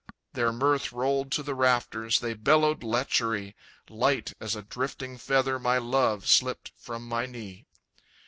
Their mirth rolled to the rafters, They bellowed lechery; Light as a drifting feather My love slipped from my knee.